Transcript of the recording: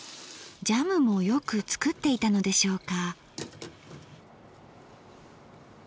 ジャムもよく作っていたのでしょうか。